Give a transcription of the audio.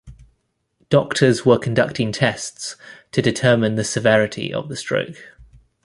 Doctors were conducting tests to determine the severity of the stroke.